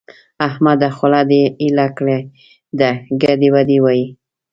احمده! خوله دې ايله کړې ده؛ ګډې وډې وايې.